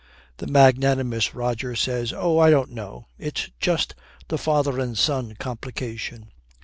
The magnanimous Roger says, 'Oh, I don't know. It's just the father and son complication.'